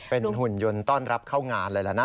เป็นหุ่นยนต์ต้อนรับเข้างานเลยล่ะนะ